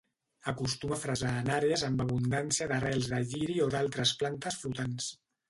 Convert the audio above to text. Acostuma a fresar en àrees amb abundància d'arrels de lliri o d'altres plantes flotants.